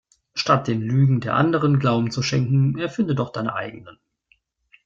Statt den Lügen der Anderen Glauben zu schenken erfinde doch deine eigenen.